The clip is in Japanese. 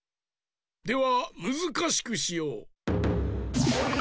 ではむずかしくしよう。